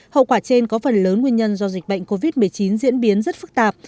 hậu quả trên có phần lớn nguyên nhân do dịch bệnh covid một mươi chín diễn biến rất phức tạp